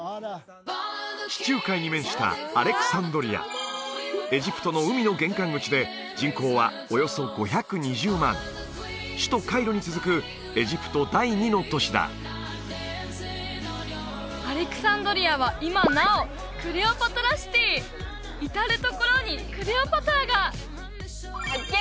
地中海に面したアレクサンドリアエジプトの海の玄関口で人口はおよそ５２０万首都カイロに続くエジプト第２の都市だアレクサンドリアは今なお至る所にクレオパトラが！発見！